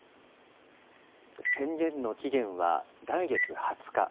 宣言の期限は来月２０日。